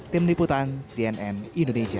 tim diputan cnn indonesia